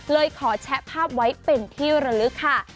เลยขอแชะภาพไว้เป็นที่ระลึกค่ะ